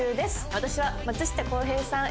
私は松下洸平さん